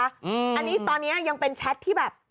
อันนี้ตอนนี้ยังเป็นแชทที่แบบ